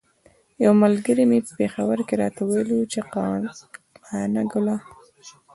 یوه ملګري مې په پیښور کې راته ویل چې قانه ګله.